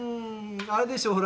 あれでしょう。